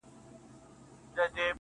څوک ده چي راګوري دا و چاته مخامخ يمه؟